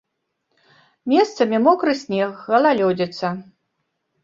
Месцамі мокры снег, галалёдзіца.